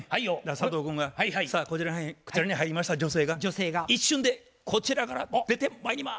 佐藤君が「さあこちらに入りました女性が一瞬でこちらから出てまいります」。